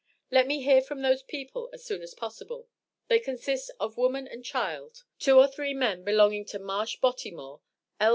Let me hear from those People as soon as possible. They consist of woman and child 2 or 3 men belonging to Marsh Bottimore, L.